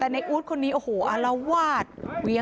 ในอู๊ดนะคะก็เนี่ย